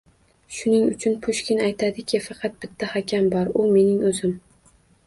Shuning uchun Pushkin aytadiki, “Faqat bitta hakam bor, u — mening o‘zim!”